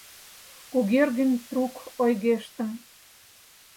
Кугергин трук ойгештын.